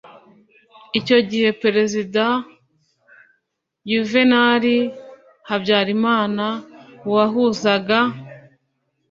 icyo gihe perezida yuvenali habyarimana wahuzaga